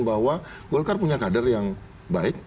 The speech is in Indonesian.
bahwa golkar punya kader yang baik